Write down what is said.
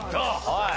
はい。